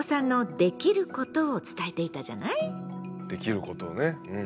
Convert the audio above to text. できることをねうん。